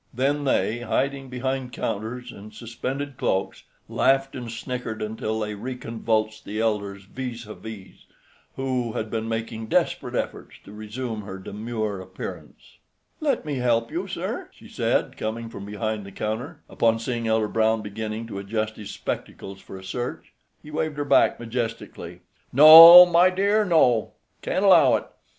Then they, hiding behind counters and suspended cloaks, laughed and snickered until they reconvulsed the elder's vis à vis, who had been making desperate efforts to resume her demure appearance. "Let me help you, sir," she said, coming from behind the counter, upon seeing Elder Brown beginning to adjust his spectacles for a search. He waved her back majestically. "No, my dear, no; can't allow it.